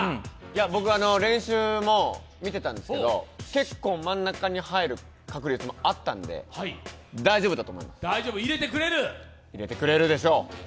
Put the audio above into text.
僕は練習も見てたんですけど結構真ん中に入る確率があったんで大丈夫だと思います、入れてくれるでしょう！